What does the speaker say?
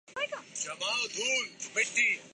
ان کے بارے میں ذریعہ کیا بنے گا؟